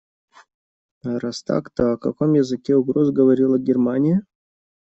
А раз так, то о каком языке угроз говорила Германия?